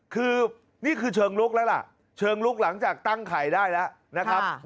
คือนี่คือเชิงลุกแล้วล่ะเชิงลุกหลังจากตั้งไข่ได้แล้วนะครับ